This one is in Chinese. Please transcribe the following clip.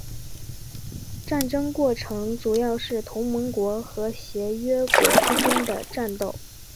战争过程主要是同盟国和协约国之间的战斗。